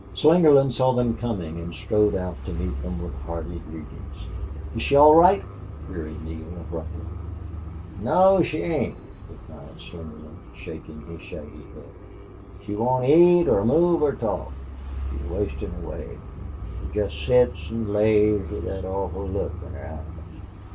Slingerland saw them coming and strode out to meet them with hearty greeting. "Is she all right?" queried Neale, abruptly. "No, she ain't," replied Slingerland, shaking his shaggy head. "She won't eat or move or talk. She's wastin' away. She jest sits or lays with that awful look in her eyes."